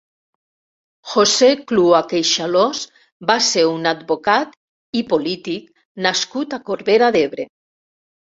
José Clua Queixalós va ser un advocat i polític nascut a Corbera d'Ebre.